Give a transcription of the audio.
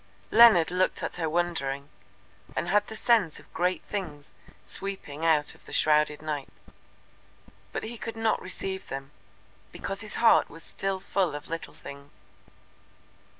Leonard looked at her wondering, and had the sense of great things sweeping out of the shrouded night. But he could not receive them, because his heart was still full of little things.